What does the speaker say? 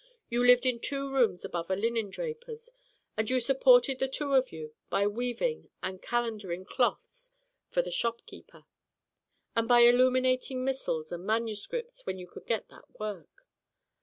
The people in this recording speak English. You lived in two rooms above a linen draper's and you supported the two of you by weaving and calendering cloths for the shop keeper, and by illuminating missals and manuscripts when you could get that work.